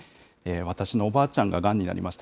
わたくしのおばあちゃんががんになりました。